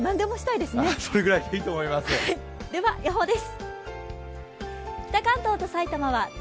では予報です。